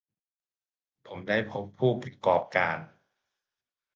ผมได้พบผู้ประกอบการ